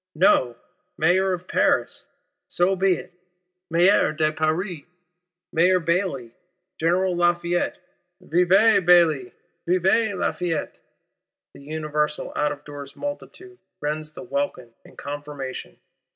No: Mayor of Paris! So be it. Maire de Paris! Mayor Bailly, General Lafayette; vive Bailly, vive Lafayette—the universal out of doors multitude rends the welkin in confirmation.